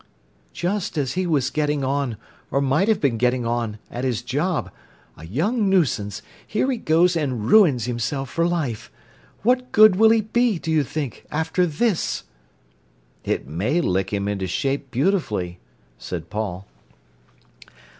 "Just as he was getting on, or might have been getting on, at his job—a young nuisance—here he goes and ruins himself for life. What good will he be, do you think, after this?" "It may lick him into shape beautifully," said Paul.